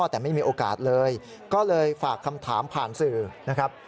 แต่ไม่มีโอกาสเลยก็เลยฝากคำถามผ่านสื่อนะครับ